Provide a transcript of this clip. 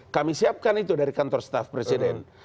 kami siapkan itu dari kantor staff presiden